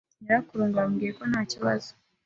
Nyirakuru ngo yamubwiye ko ntakibazo